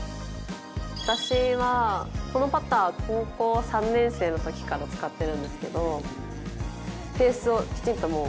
私はこのパター高校３年生のときから使ってるんですけどフェースをきちっと。